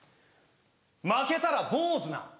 負けたら坊主な。